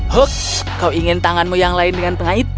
hoax kau ingin tanganmu yang lain dengan pengait